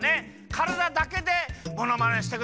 からだだけでものまねしてください。